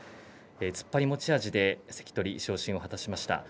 突っ張り持ち味で関取昇進を果たしました。